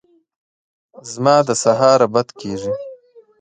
زما د سهاره بد کېږي !